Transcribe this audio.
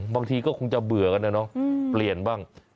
บางทีก็คงจะเบื่อกันนะเนาะเปลี่ยนบ้าง